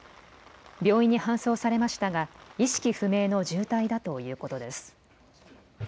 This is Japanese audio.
病院に搬送されましたが意識不明の重体だということです。